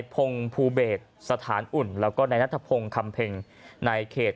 พงษ์ภูเบตสถานอุ่นแล้วก็นายนัดพงษ์คำเพงนายเขต